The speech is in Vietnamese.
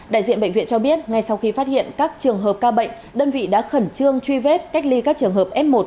đại diện bệnh viện cho biết ngay sau khi phát hiện các trường hợp ca bệnh đơn vị đã khẩn trương truy vết cách ly các trường hợp f một